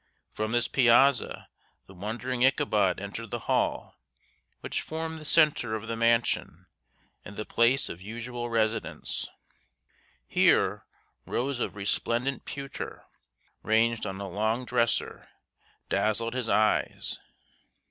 From this piazza the wondering Ichabod entered the hall, which formed the centre of the mansion and the place of usual residence. Here rows of resplendent pewter, ranged on a long dresser, dazzled his eyes.